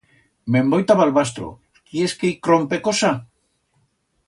Me'n voi ta Balbastro, quiers que i crompe cosa?